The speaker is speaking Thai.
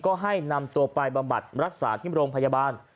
ก็ให้นำตัวไปบำบัดรักษาที่โรงพยาบาล